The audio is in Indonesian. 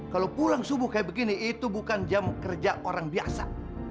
kalau pulang subuh kayak begini itu bukan jam kerja orang biasa